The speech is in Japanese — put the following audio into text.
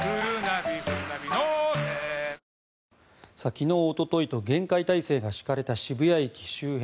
昨日、おとといと厳戒態勢が敷かれた渋谷駅周辺。